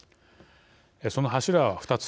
その柱は２つ。